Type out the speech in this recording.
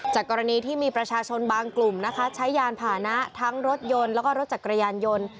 กรณีที่มีประชาชนบางกลุ่มนะคะใช้ยานผ่านะทั้งรถยนต์แล้วก็รถจักรยานยนต์